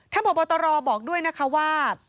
ท่านผู้ปฏิบัตรอบอกด้วยนะคะว่า